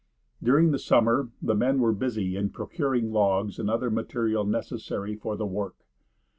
During the summer the men were busy in procuring logs and other material necessary for the work.